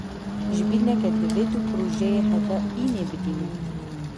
Ji bîr neke divê tu projeyê heta înê bidî min.